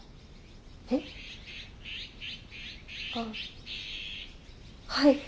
えっあっはい。